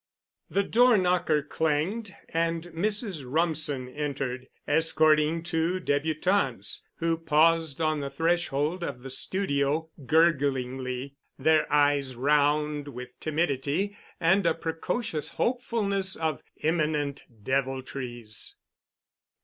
The door knocker clanged, and Mrs. Rumsen entered, escorting two débutantes, who paused on the threshold of the studio gurglingly, their eyes round with timidity and a precocious hopefulness of imminent deviltries.